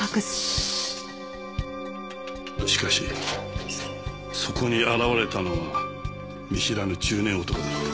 しかしそこに現れたのは見知らぬ中年男だった。